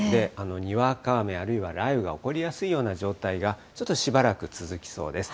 にわか雨、あるいは雷雨が起こりやすい状態がちょっとしばらく続きそうです。